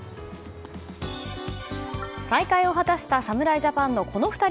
再会を果たした侍ジャパンのこの２人。